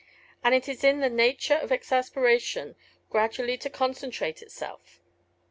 And it is in the nature of exasperation gradually to concentrate itself.